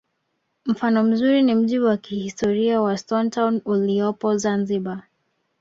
mfano mzuri ni mji wa kihistoria wa stone town uliopo zanzibar